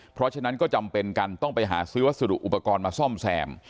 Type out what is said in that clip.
เพราะฉะนั้นก็จำเป็นกันต้องไปหาซื้อวัสดุอุปกรณ์มาซ่อมแซม